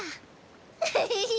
ウフフフ。